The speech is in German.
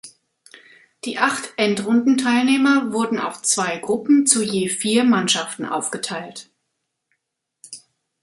Die acht Endrundenteilnehmer wurden auf zwei Gruppen zu je vier Mannschaften aufgeteilt.